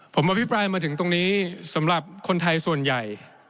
ผมอภิปรายมาถึงตรงนี้สำหรับคนไทยส่วนใหญ่